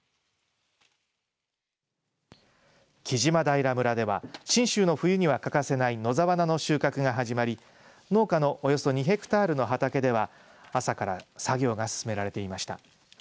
木島平村では信州の冬には欠かせない野沢菜の収穫が始まり農家のおよそ２ヘクタールの畑では朝から作業が進められていました。